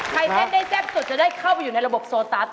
ใครเต้นได้แซ่บสุดจะได้เข้าไปอยู่ในระบบโซตัส